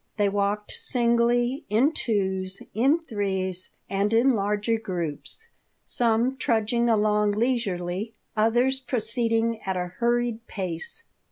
They walked singly, in twos, in threes, and in larger groups, some trudging along leisurely, others proceeding at a hurried pace.